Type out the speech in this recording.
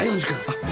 あっ。